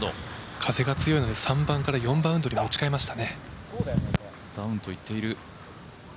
風が強いので３番から４番ウッドに持ち替えましたね。